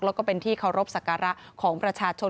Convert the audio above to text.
แล้วก็เป็นที่เคารพสักการะของประชาชน